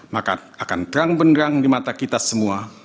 maka akan terang benderang di mata kita semua